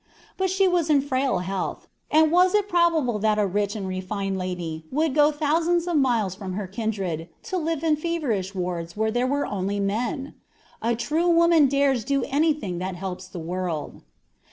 But she was frail in health, and was it probable that a rich and refined lady would go thousands of miles from her kindred, to live in feverish wards where there were only men? A true woman dares do anything that helps the world.